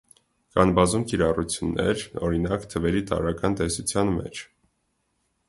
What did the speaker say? Կան բազում կիրառություններ, օրինակ՝ թվերի տարրական տեսության մեջ։